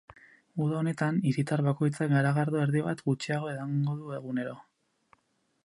Uda honetan, hiritar bakoitzak garagardo erdi bat gutxiago edango du egunero.